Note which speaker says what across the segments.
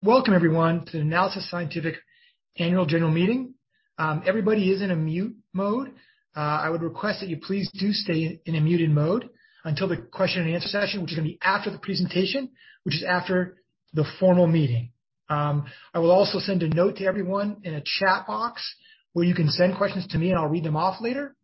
Speaker 1: Welcome everyone to the Nanalysis Scientific Annual General Meeting. Everybody is in a mute mode. I would request that you please do stay in a muted mode until the question and answer session, which is gonna be after the presentation, which is after the formal meeting. I will also send a note to everyone in a chat box where you can send questions to me, and I'll read them off later.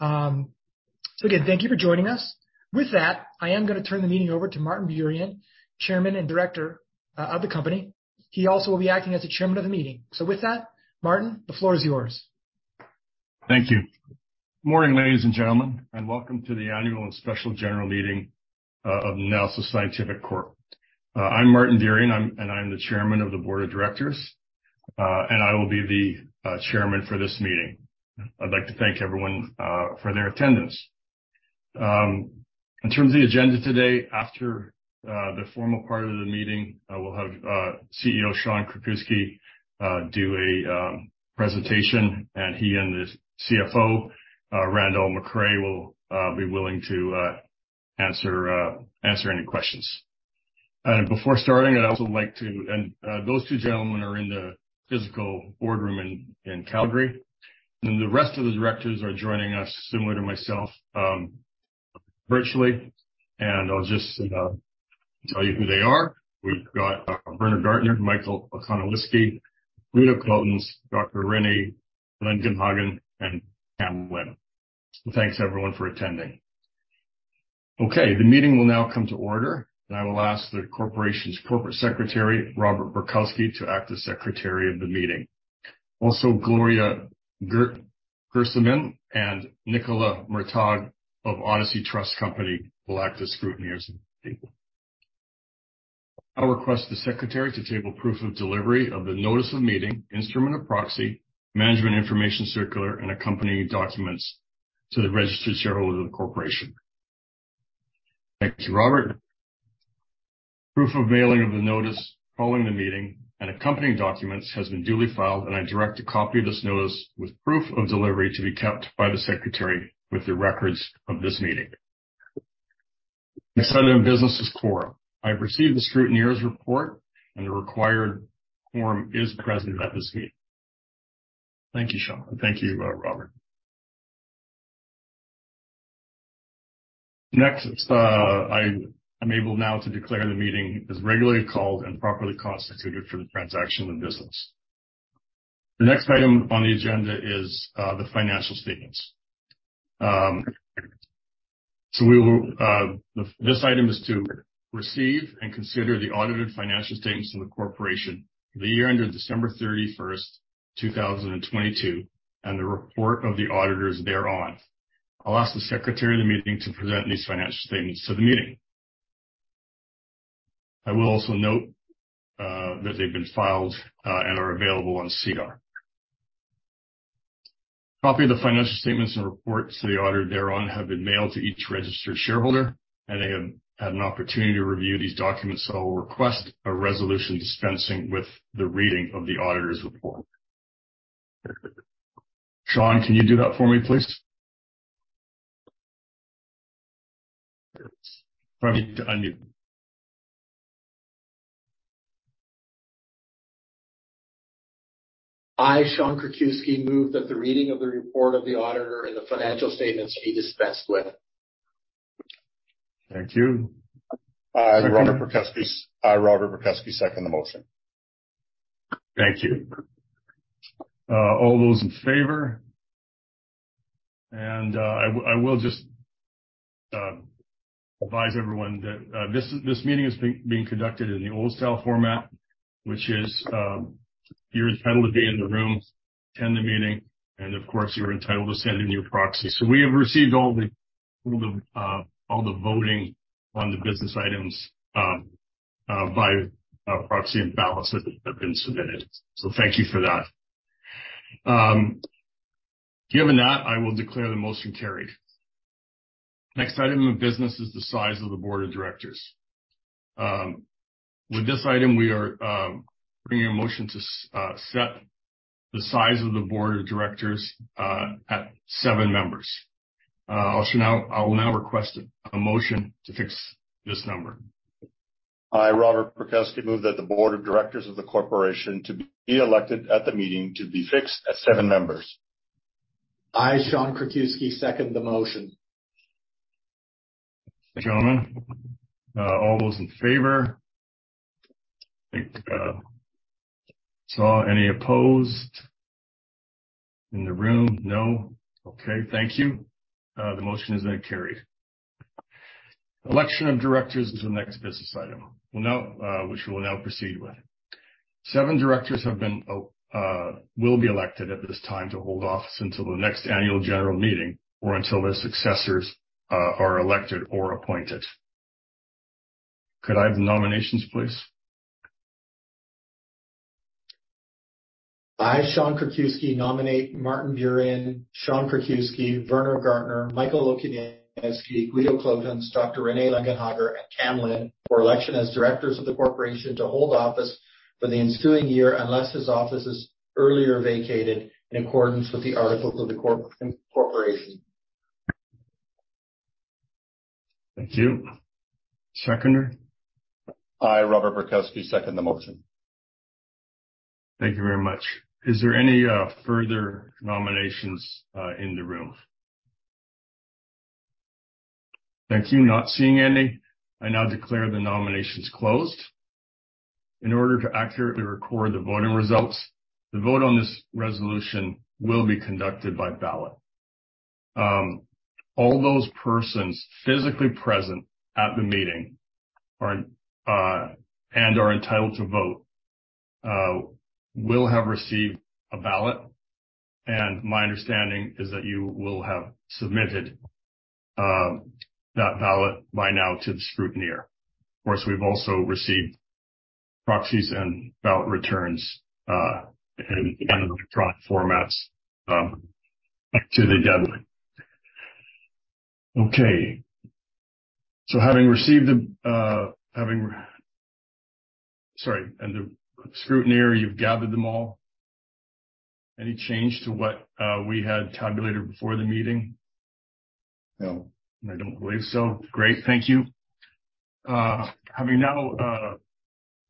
Speaker 1: Again, thank you for joining us. With that, I am gonna turn the meeting over to Martin Burian, Chairman and Director of the company. He also will be acting as the chairman of the meeting. With that, Martin, the floor is yours.
Speaker 2: Thank you. Morning, ladies and gentlemen, and welcome to the Annual and Special General Meeting of Nanalysis Scientific Corp. I'm Martin Burian. I'm the chairman of the board of directors. I will be the chairman for this meeting. I'd like to thank everyone for their attendance. In terms of the agenda today, after the formal part of the meeting, we'll have CEO Sean Krakiwsky do a presentation, and he and the CFO Randall McRae will be willing to answer any questions. Before starting, I'd also like to. Those two gentlemen are in the physical boardroom in Calgary, and the rest of the directors are joining us, similar to myself, virtually. I'll just tell you who they are. We've got Werner Gartner, Michal Okoniewski, Guido Cloetens, Dr. René Lenggenhager, and Kham Lin. Thanks everyone for attending. Okay, the meeting will now come to order, and I will ask the corporation's Corporate Secretary, Robert Borkowsky, to act as secretary of the meeting. Also, Gloria Gherasim and Nicola Murtagh of Odyssey Trust Company will act as scrutineers of the table. I request the secretary to table proof of delivery of the notice of meeting, instrument of proxy, management information circular, and accompanying documents to the registered shareholders of the corporation. Thank you, Robert. Proof of mailing of the notice following the meeting and accompanying documents has been duly filed, and I direct a copy of this notice with proof of delivery to be kept by the secretary with the records of this meeting. The second in business is quorum. I've received the scrutineer's report, and the required quorum is present at this meeting. Thank you, Sean. Thank you, Robert. Next, I am able now to declare the meeting as regularly called and properly constituted for the transaction of business. The next item on the agenda is the financial statements. This item is to receive and consider the audited financial statements from the corporation for the year ended December 31st, 2022, and the report of the auditors thereon. I'll ask the secretary of the meeting to present these financial statements to the meeting. I will also note that they've been filed and are available on SEDAR. Copy of the financial statements and reports to the auditor thereon have been mailed to each registered shareholder, and they have had an opportunity to review these documents. I will request a resolution dispensing with the reading of the auditor's report. Sean, can you do that for me, please? Pardon me to unmute.
Speaker 3: I, Sean Krakiwsky, move that the reading of the report of the auditor and the financial statements be dispensed with.
Speaker 2: Thank you.
Speaker 4: I, Robert Borkowsky, second the motion.
Speaker 2: Thank you. All those in favor? I will just advise everyone that this meeting is being conducted in the old style format, which is, you're entitled to be in the room, attend the meeting, and of course, you're entitled to send in your proxy. We have received all the voting on the business items by proxy and ballots that have been submitted. Thank you for that. Given that, I will declare the motion carried. Next item of business is the size of the board of directors. With this item, we are bringing a motion to set the size of the board of directors at seven members. I will now request a motion to fix this number.
Speaker 4: I, Robert Borkowsky, move that the board of directors of the corporation to be elected at the meeting to be fixed at seven members.
Speaker 3: I, Sean Krakiwsky, second the motion.
Speaker 2: Gentlemen, all those in favor? I think I saw. Any opposed in the room? No. Okay, thank you. The motion is then carried. Election of directors is the next business item. We'll now proceed with. Seven directors will be elected at this time to hold office until the next annual general meeting or until their successors are elected or appointed. Could I have the nominations, please?
Speaker 3: I, Sean Krakiwsky, nominate Martin Burian, Sean Krakiwsky, Werner Gartner, Michal Okoniewski, Guido Cloetens, Dr. René Lenggenhager, and Kham Lin for election as directors of the corporation to hold office for the ensuing year unless his office is earlier vacated in accordance with the articles of the corporation.
Speaker 2: Thank you. Seconder?
Speaker 4: I, Robert Borkowsky, second the motion.
Speaker 2: Thank you very much. Is there any further nominations in the room? Thank you. Not seeing any, I now declare the nominations closed. In order to accurately record the voting results, the vote on this resolution will be conducted by ballot. All those persons physically present at the meeting are and are entitled to vote will have received a ballot. My understanding is that you will have submitted that ballot by now to the scrutineer. Of course, we've also received proxies and ballot returns in electronic formats to the deadline. Okay. Sorry, and the scrutineer, you've gathered them all. Any change to what we had tabulated before the meeting? No, I don't believe so. Great. Thank you. Having now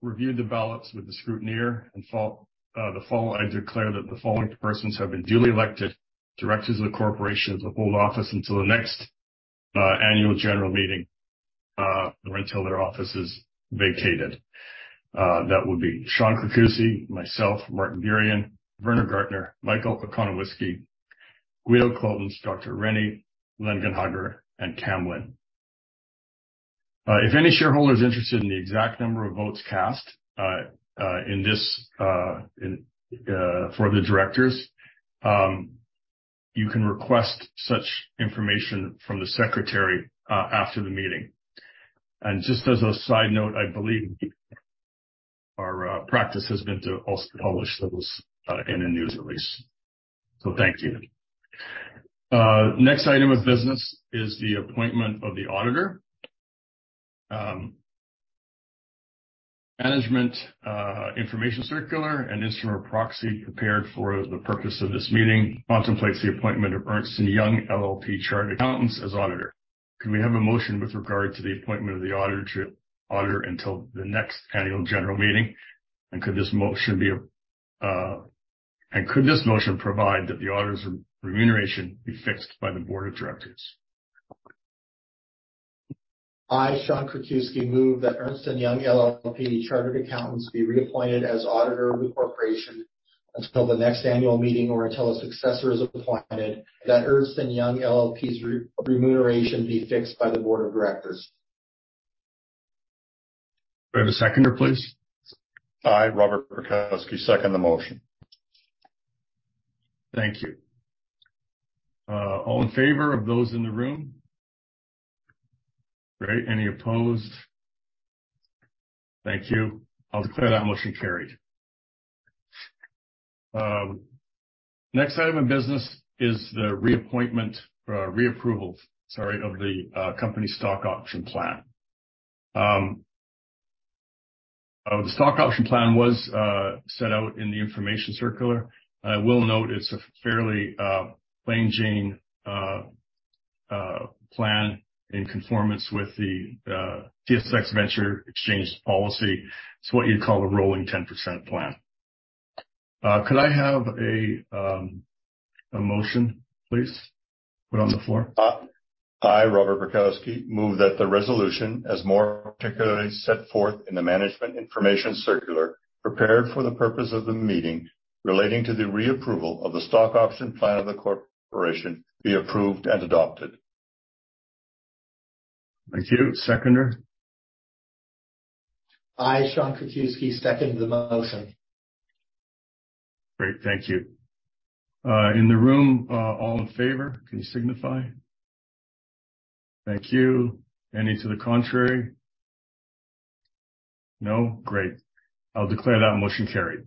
Speaker 2: reviewed the ballots with the scrutineer, I declare that the following persons have been duly elected directors of the corporation to hold office until the next annual general meeting or until their office is vacated. That would be Sean Krakiwsky, myself, Martin Burian, Werner Gartner, Michal Okoniewski, Guido Cloetens, Dr. René Lenggenhager, and Kham Lin. If any shareholder is interested in the exact number of votes cast in this, in for the directors, you can request such information from the secretary after the meeting. Just as a side note, I believe our practice has been to publish those in a news release. Thank you. Next item of business is the appointment of the auditor. Management information circular and instrument of proxy prepared for the purpose of this meeting contemplates the appointment of Ernst & Young LLP Chartered Accountants as auditor. Could we have a motion with regard to the appointment of the auditor until the next annual general meeting? Could this motion provide that the auditor's remuneration be fixed by the board of directors?
Speaker 3: I, Sean Krakiwsky, move that Ernst & Young LLP Chartered Accountants be reappointed as auditor of the corporation until the next annual meeting or until a successor is appointed, that Ernst & Young LLP's remuneration be fixed by the board of directors.
Speaker 2: Could we have a seconder, please?
Speaker 4: I, Robert Borkowsky, second the motion.
Speaker 2: Thank you. All in favor of those in the room. Great. Any opposed? Thank you. I'll declare that motion carried. Next item of business is the reappointment, reapproval, sorry, of the company stock option plan. The stock option plan was set out in the information circular. I will note it's a fairly plain Jane plan in conformance with the TSX Venture Exchange policy. It's what you'd call a rolling 10% plan. Could I have a motion, please, put on the floor?
Speaker 4: I, Robert Borkowsky, move that the resolution, as more particularly set forth in the management information circular prepared for the purpose of the meeting relating to the reapproval of the stock option plan of the corporation be approved and adopted.
Speaker 2: Thank you. Seconder?
Speaker 3: I, Sean Krakiwsky, second the motion.
Speaker 2: Great. Thank you. In the room, all in favor, can you signify? Thank you. Any to the contrary? No. Great. I'll declare that motion carried.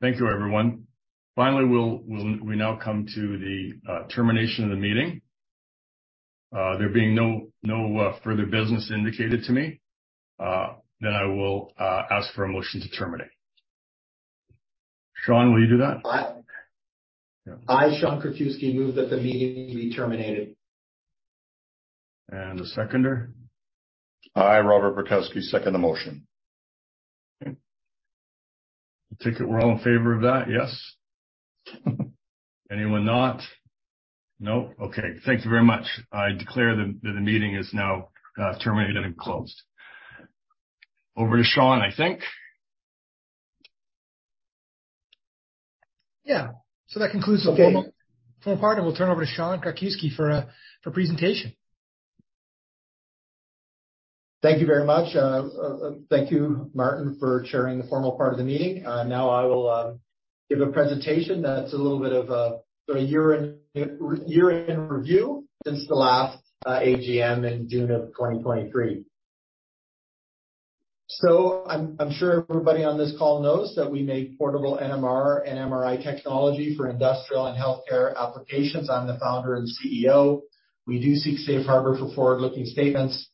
Speaker 2: Thank you, everyone. Finally, we'll we now come to the termination of the meeting. There being no further business indicated to me, then I will ask for a motion to terminate. Sean, will you do that?
Speaker 3: I, Sean Krakiwsky, move that the meeting be terminated.
Speaker 2: The seconder?
Speaker 4: I, Robert Borkowsky, second the motion.
Speaker 2: Okay. I take it we're all in favor of that. Yes? Anyone not? No. Okay. Thank you very much. I declare the meeting is now terminated and closed. Over to Sean, I think.
Speaker 1: Yeah. So, that concludes the formal part, and we'll turn over to Sean Krakiwsky for a presentation.
Speaker 3: Thank you very much. Thank you, Martin, for chairing the formal part of the meeting. Now I will give a presentation that's a little bit of year in, year in review since the last AGM in June of 2023. I'm sure everybody on this call knows that we make portable NMR and MRI technology for industrial and healthcare applications. I'm the founder and CEO. We do seek safe harbor for forward-looking statements.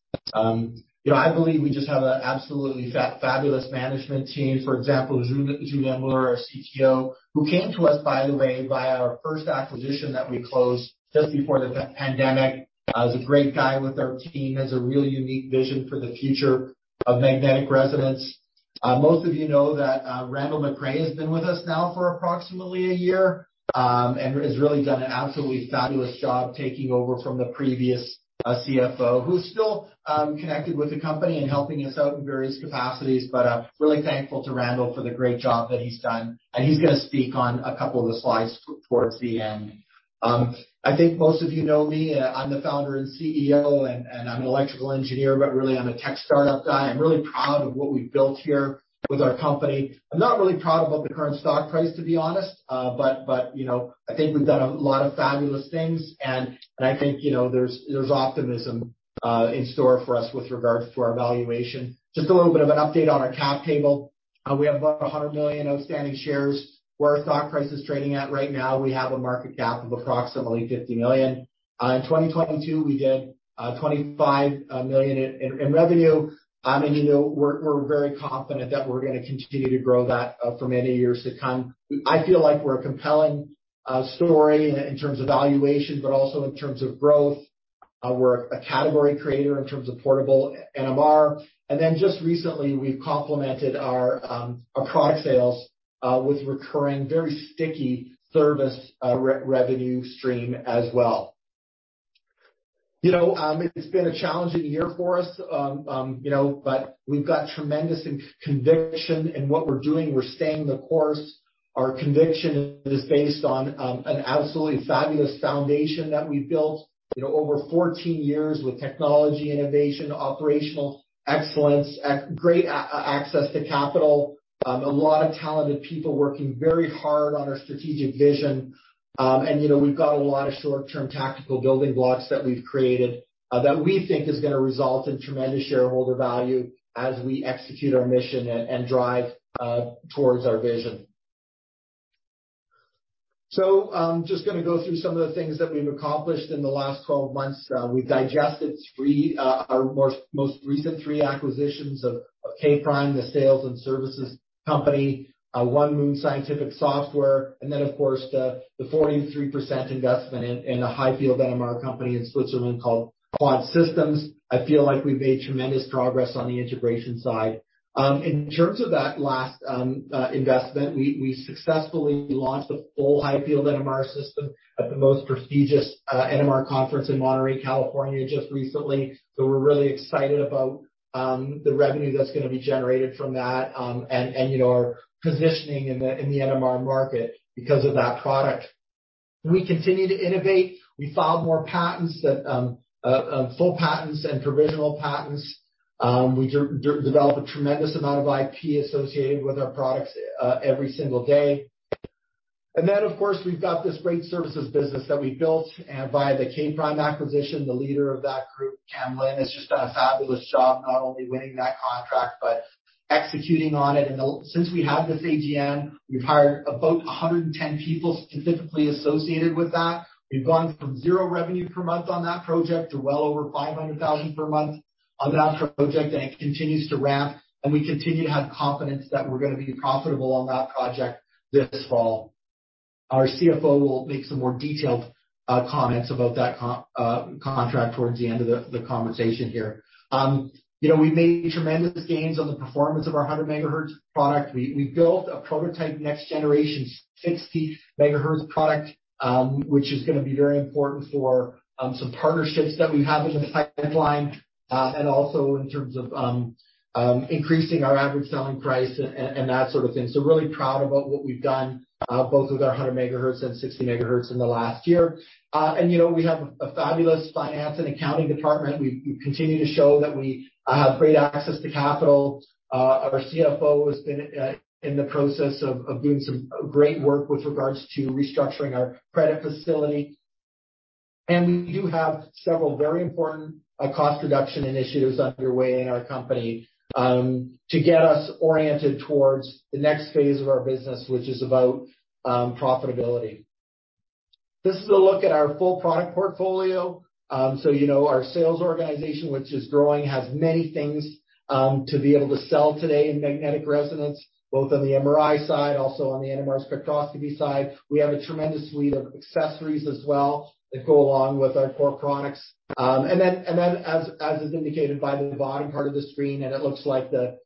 Speaker 3: You know, I believe we just have an absolutely fabulous management team. For example, Julien Mueller, our CTO, who came to us, by the way, via our first acquisition that we closed just before the pandemic. He's a great guy with our team, has a really unique vision for the future of magnetic resonance. Most of you know that Randall McRae has been with us now for approximately a year, and has really done an absolutely fabulous job taking over from the previous CFO, who's still connected with the company and helping us out in various capacities. Really thankful to Randall for the great job that he's done. He's gonna speak on a couple of the slides towards the end. I think most of you know me. I'm the founder and CEO and I'm an electrical engineer, but really I'm a tech startup guy. I'm really proud of what we've built here with our company. I'm not really proud about the current stock price, to be honest. But, you know, I think we've done a lot of fabulous things and I think, you know, there's optimism in store for us with regard to our valuation. Just a little bit of an update on our cap table. We have about 100 million outstanding shares. Where our stock price is trading at right now, we have a market cap of approximately 50 million. In 2022 we did 25 million in revenue. You know, we're very confident that we're gonna continue to grow that for many years to come. I feel like we're a compelling story in terms of valuation, but also in terms of growth. We're a category creator in terms of portable NMR. Just recently we've complemented our product sales with recurring very sticky service re-revenue stream as well. You know, it's been a challenging year for us, you know, but we've got tremendous conviction in what we're doing. We're staying the course. Our conviction is based on an absolutely fabulous foundation that we've built, you know, over 14 years with technology innovation, operational excellence, a great access to capital. A lot of talented people working very hard on our strategic vision. You know, we've got a lot of short-term tactical building blocks that we've created that we think is gonna result in tremendous shareholder value as we execute our mission and drive towards our vision. I'm just gonna go through some of the things that we've accomplished in the last 12 months. We've digested three, our most recent three acquisitions of K'(Prime), the sales and services company, One Moon Scientific Software, and then of course the 43% investment in a high-field NMR company in Switzerland called Quad Systems. I feel like we've made tremendous progress on the integration side. In terms of that last investment, we successfully launched a full high-field NMR system at the most prestigious NMR conference in Monterey, California just recently. We're really excited about the revenue that's gonna be generated from that, and you know, our positioning in the NMR market because of that product. We continue to innovate. We filed more patents that, full patents and provisional patents. We develop a tremendous amount of IP associated with our products every single day. Of course, we've got this great services business that we built via the K'(Prime) acquisition. The leader of that group, Kham Lin, has just done a fabulous job, not only winning that contract, but executing on it. Since we had this AGM, we've hired about 110 people specifically associated with that. We've gone from zero revenue per month on that project to well over 500,000 per month on that project, and it continues to ramp, and we continue to have confidence that we're gonna be profitable on that project this fall. Our CFO will make some more detailed comments about that contract towards the end of the conversation here. You know, we've made tremendous gains on the performance of our 100 MHz product. We've built a prototype next generation 60 MHz product, which is gonna be very important for some partnerships that we have in the pipeline, and also in terms of increasing our average selling price and that sort of thing. Really proud about what we've done, both with our 100 MHz and 60 MHz in the last year. You know, we have a fabulous finance and accounting department. We continue to show that we have great access to capital. Our CFO has been in the process of doing some great work with regards to restructuring our credit facility. We do have several very important cost reduction initiatives underway in our company to get us oriented towards the next phase of our business, which is about profitability. This is a look at our full product portfolio. You know, our sales organization, which is growing, has many things to be able to sell today in magnetic resonance, both on the MRI side, also on the NMR spectroscopy side. We have a tremendous suite of accessories as well that go along with our core products. Then as is indicated by the bottom part of the screen, and it looks like this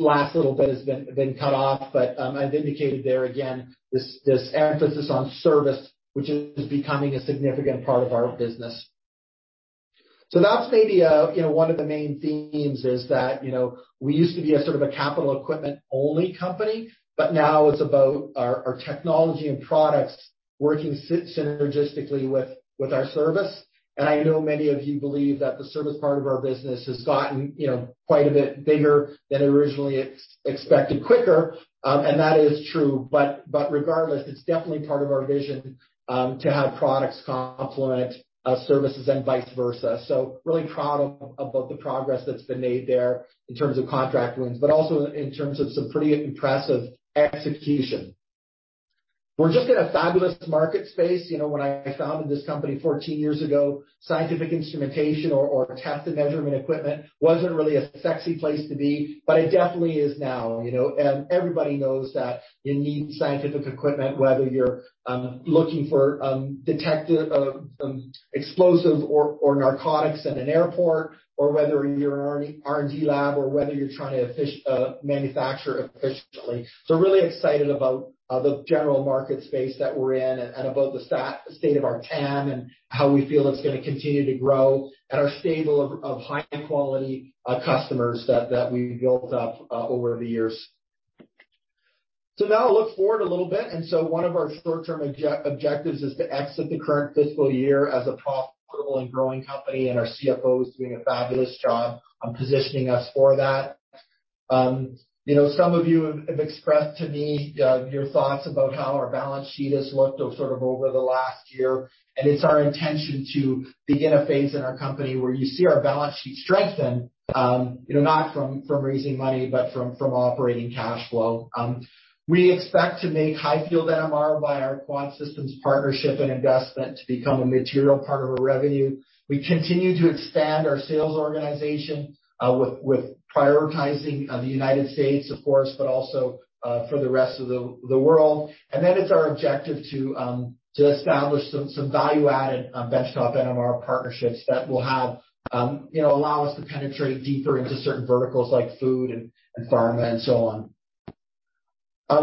Speaker 3: last little bit has been cut off, but I've indicated there again this emphasis on service, which is becoming a significant part of our business. That's maybe, you know, one of the main themes is that, you know, we used to be a sort of a capital equipment only company, but now it's about our technology and products working synergistically with our service. I know many of you believe that the service part of our business has gotten, you know, quite a bit bigger than originally expected quicker. And, that is true. Regardless, it's definitely part of our vision to have products complement services and vice versa. Really proud about the progress that's been made there in terms of contract wins, but also in terms of some pretty impressive execution. We're just in a fabulous market space. You know, when I founded this company 14 years ago, scientific instrumentation or test and measurement equipment wasn't really a sexy place to be, it definitely is now. You know, everybody knows that you need scientific equipment, whether you're looking for detective, explosive or narcotics at an airport, or whether you're an R&D lab, or whether you're trying to manufacture efficiently. Really excited about the general market space that we're in and about the state of our TAM and how we feel it's gonna continue to grow, and our stable of high-quality customers that we've built up over the years. Now I'll look forward a little bit. One of our short-term objectives is to exit the current fiscal year as a profitable and growing company, and our CFO is doing a fabulous job on positioning us for that. You know, some of you have expressed to me your thoughts about how our balance sheet has looked sort of over the last year, and it's our intention to begin a phase in our company where you see our balance sheet strengthen, you know, not from raising money, but from operating cash flow. We expect to make high-field NMR via our Quad Systems partnership and investment to become a material part of our revenue. We continue to expand our sales organization with prioritizing the United States, of course, but also for the rest of the world. It's our objective to establish some value-added benchtop NMR partnerships that will, you know, allow us to penetrate deeper into certain verticals like food and pharma and so on.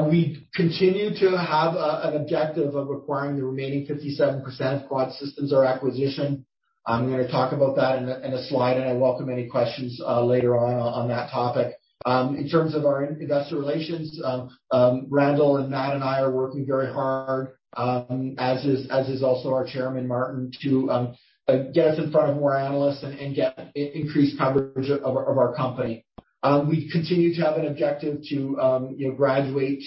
Speaker 3: We continue to have an objective of acquiring the remaining 57% of Quad Systems, our acquisition. I'm gonna talk about that in a slide, and I welcome any questions later on that topic. In terms of our investor relations, Randall and Matt and I are working very hard, as is also our Chairman, Martin, to get us in front of more analysts and get increased coverage of our company. We continue to have an objective to, you know, graduate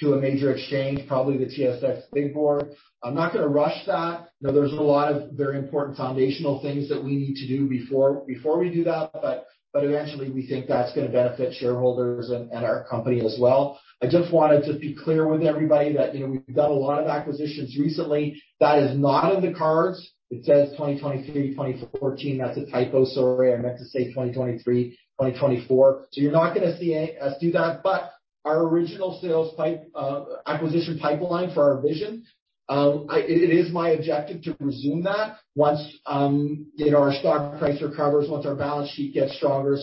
Speaker 3: to a major exchange, probably the TSX Venture. I'm not gonna rush that. You know, there's a lot of very important foundational things that we need to do before we do that, but eventually, we think that's gonna benefit shareholders and our company as well. I just wanted to be clear with everybody that, you know, we've done a lot of acquisitions recently. That is not in the cards. It says 2023, 2014. That's a typo. Sorry. I meant to say 2023, 2024. So you're not gonna see us do that. Our original sales pipe, acquisition pipeline for our vision, it is my objective to resume that once, you know, our stock price recovers, once our balance sheet gets stronger.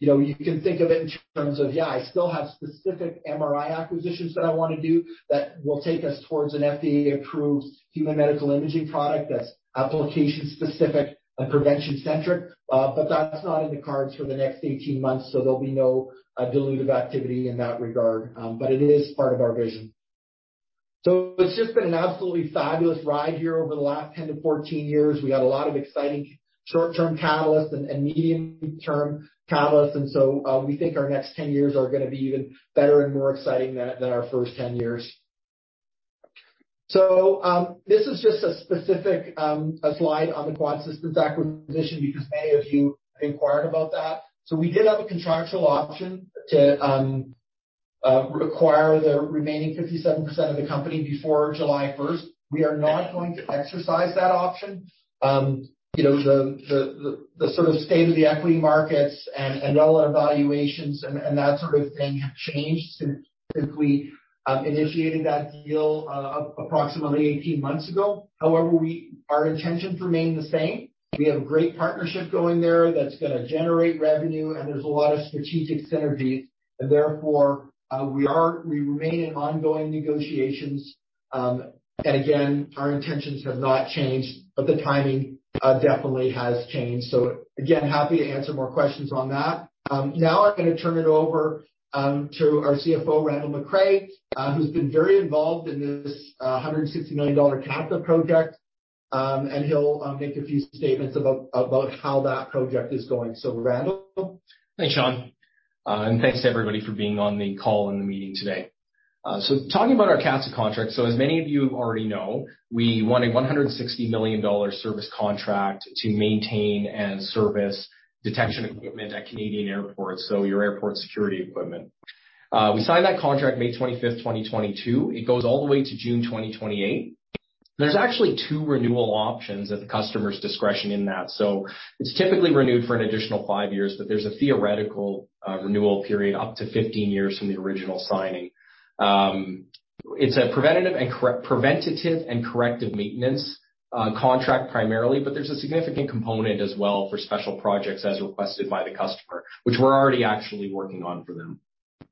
Speaker 3: You know, you can think of it in terms of, yeah, I still have specific MRI acquisitions that I wanna do that will take us towards an FDA-approved human medical imaging product that's application-specific and prevention-centric. But that's not in the cards for the next 18 months, so there'll be no dilutive activity in that regard. It is part of our vision. It's just been an absolutely fabulous ride here over the last 10-14 years. We got a lot of exciting short-term catalysts and medium-term catalysts. We think our next 10 years are gonna be even better and more exciting than our first 10 years. This is just a specific slide on the Quad Systems acquisition because many of you have inquired about that. We did have a contractual option to acquire the remaining 57% of the company before July 1st. We are not going to exercise that option. You know, the sort of state of the equity markets and all our valuations and that sort of thing have changed since we initiated that deal approximately 18 months ago. However, our intentions remain the same. We have a great partnership going there that's gonna generate revenue, and there's a lot of strategic synergies. We remain in ongoing negotiations. Again, our intentions have not changed, but the timing definitely has changed. Again, happy to answer more questions on that. Now I'm gonna turn it over to our CFO, Randall MacRae, who's been very involved in this 160 million dollar CATSA project. He'll make a few statements about how that project is going. Randall?
Speaker 5: Thanks, Sean. And thanks to everybody for being on the call and the meeting today. Talking about our CATSA contract, as many of you already know, we won a 160 million dollar service contract to maintain and service detection equipment at Canadian airports, so your airport security equipment. We signed that contract May 25th, 2022. It goes all the way to June 2028. There's actually two renewal options at the customer's discretion in that. It's typically renewed for an additional five years, but there's a theoretical renewal period up to 15 years from the original signing. It's a preventative and corrective maintenance contract primarily, but there's a significant component as well for special projects as requested by the customer, which we're already actually working on for them.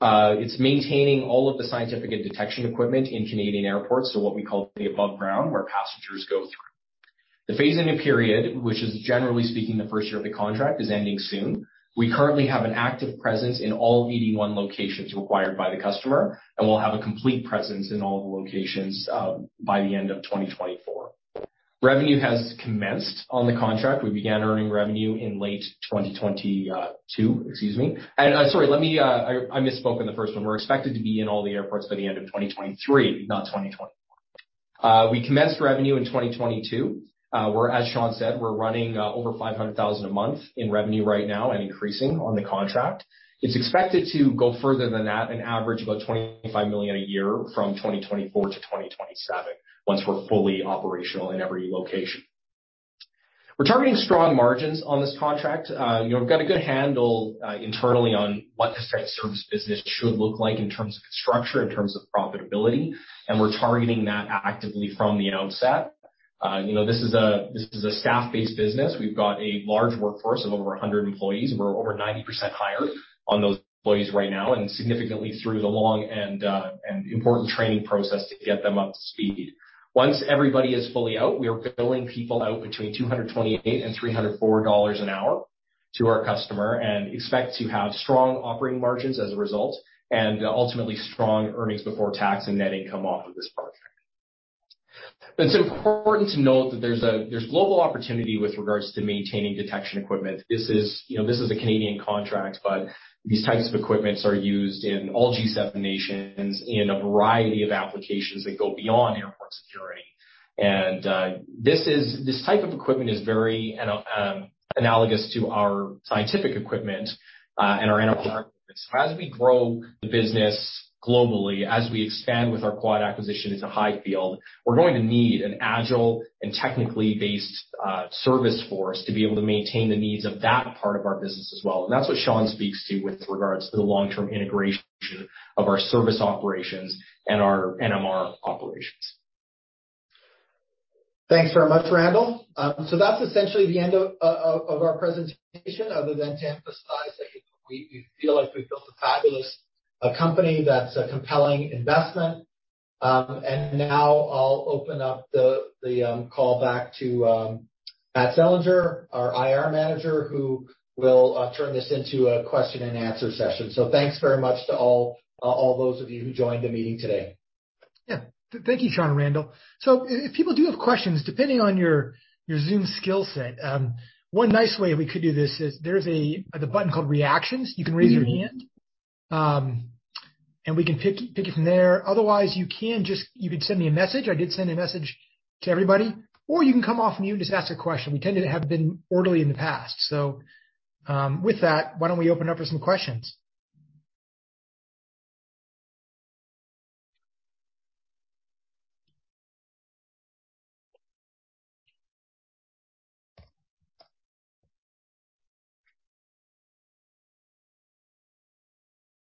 Speaker 5: It's maintaining all of the scientific and detection equipment in Canadian airports, so what we call the above ground, where passengers go through. The phase-in period, which is, generally speaking, the first year of the contract, is ending soon. We currently have an active presence in all 81 locations required by the customer, and we'll have a complete presence in all the locations by the end of 2024. Revenue has commenced on the contract. We began earning revenue in late 2022. Excuse me. Sorry, let me. I misspoke on the first one. We're expected to be in all the airports by the end of 2023, not 2024. We commenced revenue in 2022. We're, as Sean said, running over 500,000 a month in revenue right now and increasing on the contract. It's expected to go further than that and average about 25 million a year from 2024 to 2027 once we're fully operational in every location. We're targeting strong margins on this contract. You know, we've got a good handle internally on what this type of service business should look like in terms of its structure, in terms of profitability, and we're targeting that actively from the outset. You know, this is a staff-based business. We've got a large workforce of over 100 employees. We're over 90% hired on those employees right now and significantly through the long and important training process to get them up to speed. Once everybody is fully out, we are billing people out between 228 and 304 dollars an hour to our customer and expect to have strong operating margins as a result and ultimately strong earnings before tax and net income off of this contract. It's important to note that there's global opportunity with regards to maintaining detection equipment. This is, you know, a Canadian contract, but these types of equipments are used in all G7 nations in a variety of applications that go beyond airport security. This type of equipment is very analogous to our scientific equipment and our NMR equipments. As we grow the business globally, as we expand with our Quad acquisition into high field, we're going to need an agile and technically based service force to be able to maintain the needs of that part of our business as well. That's what Sean speaks to with regards to the long-term integration of our service operations and our NMR operations.
Speaker 3: Thanks very much, Randall. That's essentially the end of our presentation other than to emphasize that we feel like we've built a fabulous company that's a compelling investment. Now I'll open up the call back to Matt Selinger, our IR manager, who will turn this into a question and answer session. Thanks very much to all those of you who joined the meeting today.
Speaker 1: Yeah. Thank you, Sean and Randall. If people do have questions, depending on your Zoom skill set, one nice way we could do this is there's the button called Reactions. You can raise your hand, and we can pick it from there. Otherwise, you could send me a message. I did send a message to everybody. Or you can come off mute and just ask a question. We tended to have been orderly in the past. With that, why don't we open up for some questions?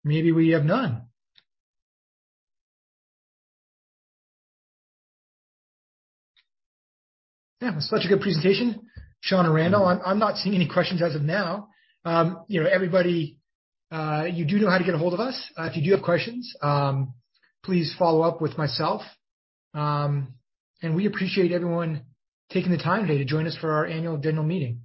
Speaker 1: Maybe we have none. Yeah. Such a good presentation, Sean and Randall. I'm not seeing any questions as of now. You know, everybody, you do know how to get a hold of us. If you do have questions, please follow up with myself. We appreciate everyone taking the time today to join us for our annual general meeting.